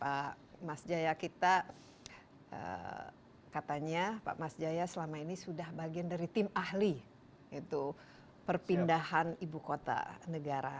pak mas jaya kita katanya pak mas jaya selama ini sudah bagian dari tim ahli perpindahan ibu kota negara